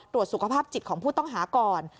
ตรวจสุขภาพจิตของผู้ต้องหาก่อน